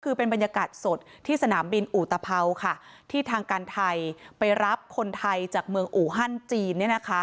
คือเป็นบรรยากาศสดที่สนามบินอุตภัวค่ะที่ทางการไทยไปรับคนไทยจากเมืองอูฮันจีน